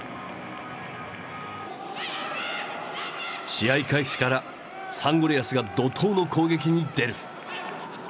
試合開始からサンゴリアスが怒とうの攻撃に出る。